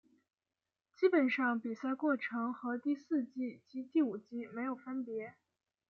基本上比赛过程和第四季及第五季没有分别。